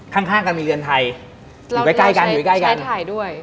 ข้างกันมีเรือนไทยอยู่ใกล้ใกล้กันใช้ถ่ายด้วย